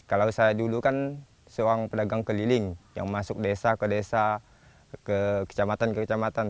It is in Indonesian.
kalau saya dulu kan seorang pedagang keliling yang masuk desa ke desa ke kecamatan ke kecamatan